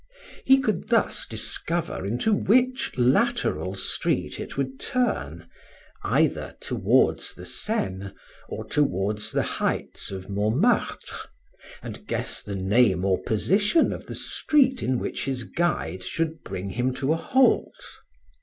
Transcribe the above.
He could thus discover into which lateral street it would turn, either towards the Seine or towards the heights of Montmartre, and guess the name or position of the street in which his guide should bring him to a halt.